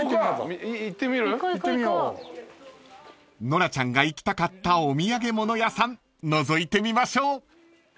［ノラちゃんが行きたかったお土産物屋さんのぞいてみましょう］